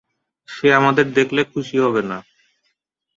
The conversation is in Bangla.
সে আমাদের দেখলে খুশি হবে না।